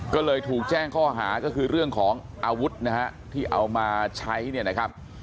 ก็เลยถูกแจ้งข้อหาก็คือเรื่องของอาวุธนะฮะที่เอามาใช้เนี่ยนะครับ